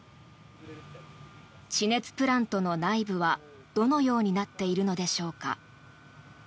地熱プラントの内部はどのようになっているのでしょうか。